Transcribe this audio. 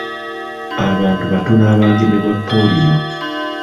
Abantu batono abaagemebwa pooliyo.